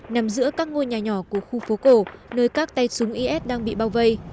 nằm giữa các ngôi nhà nhỏ của khu phố cổ nơi các tay súng is đang bị bao vây